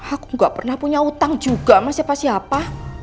aku gak pernah punya utang juga sama siapa siapa